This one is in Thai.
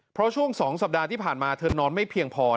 เพราะช่วง๒สัปดาห์ที่ผ่านมาเธอนอนไม่เพียงพอ